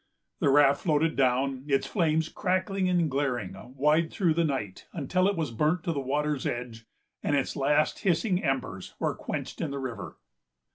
The raft floated down, its flames crackling and glaring wide through the night, until it was burnt to the water's edge, and its last hissing embers were quenched in the river.